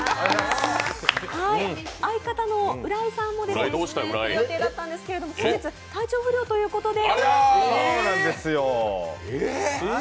相方の浦井さんも出演する予定だったんですけど本日、体調不良ということで。